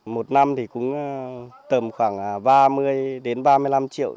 một năm thì cũng tầm khoảng ba mươi đến ba mươi năm triệu